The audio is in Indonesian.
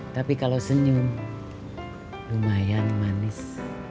tapi kalau senyum lumayan manis